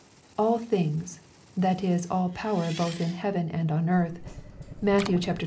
" All things, that is all power both in heaven and earth, (Matt, xxviii.